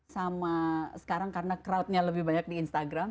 sama sekarang karena crowdnya lebih banyak di instagram